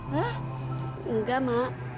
hah enggak mak